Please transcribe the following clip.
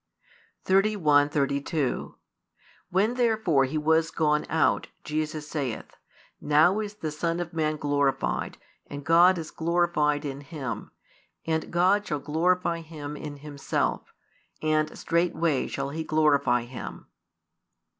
31, 32 When therefore he was gone out, Jesus saith, Now is the Son of Man glorified, and God is glorified in Him; and God shall glorify Him in Himself, and straightway shall He glorify Him.